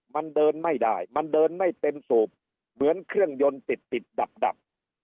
มันเดินไม่ได้มันเดินไม่เต็มสูบเหมือนเครื่องยนต์ติดติดดับ